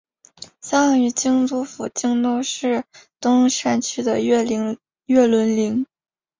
葬于京都府京都市东山区的月轮陵。